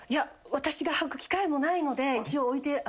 私がはく機会もないので一応置いて。